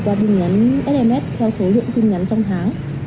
qua tin nhắn sms theo số lượng tin nhắn trong tháng